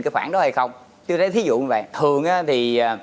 cái khoản đó hay không chứ thấy ví dụ vậy thường thì